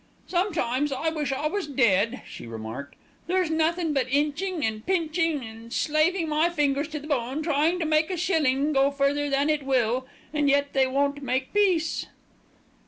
"Sometimes I wish I was dead," she remarked. "There's nothin' but inching and pinching and slaving my fingers to the bone trying to make a shilling go further than it will, and yet they won't make peace."